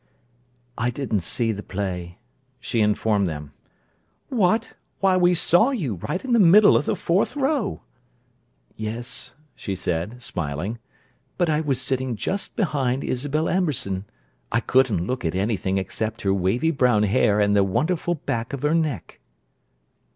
"I didn't see the play," she informed them. "What! Why, we saw you, right in the middle of the fourth row!" "Yes," she said, smiling, "but I was sitting just behind Isabelle Amberson. I couldn't look at anything except her wavy brown hair and the wonderful back of her neck."